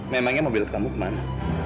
memangnya mobil kamu kemana